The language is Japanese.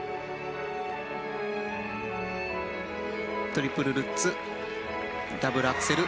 トリプルルッツダブルアクセル。